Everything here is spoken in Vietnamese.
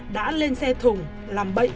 đã lên xe thùng làm bệnh